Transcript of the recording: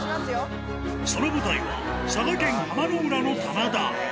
その舞台は、佐賀県浜野浦の棚田。